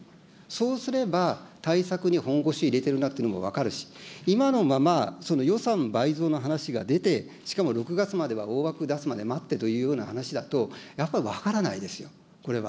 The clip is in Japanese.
そうすれば、対策に本腰入れてるなっていうのも分かるし、今のまま、その予算倍増の話が出て、しかも６月までは大枠出すまで待ってというような話だと、やっぱり分からないですよ、これは。